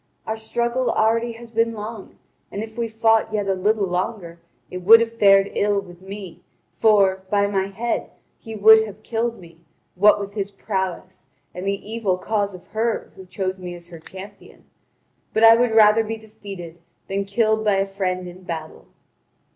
Our struggle already has been long; and if we had fought yet a little longer, it would have fared ill with me, for, by my head, he would have killed me, what with his prowess and the evil cause of her who chose me as her champion. But I would rather be defeated than killed by a friend in battle."